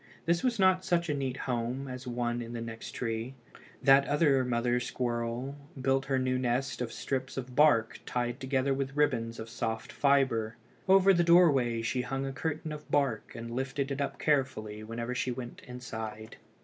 This was not such a neat home as one in the next tree. That other mother squirrel built her new nest of strips of bark tied together with ribbons of soft fibre. Over the doorway she hung a curtain of bark, and lifted it up carefully whenever she went inside.